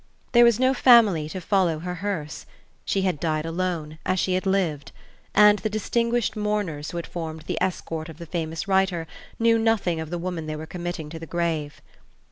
There was no family to follow her hearse; she had died alone, as she had lived; and the "distinguished mourners" who had formed the escort of the famous writer knew nothing of the woman they were committing to the grave.